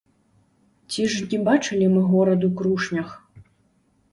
Ці ж не бачылі мы горад у крушнях?